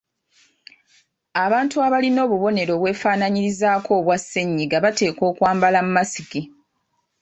Abantu abalina obubonero obwefaanaanyirizaako obwa ssennyiga bateekwa okwambala masiki.